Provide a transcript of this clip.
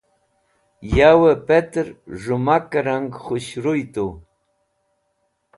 Yowat Petẽr Z̃humake Rang Khushruy tu